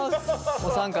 お三方？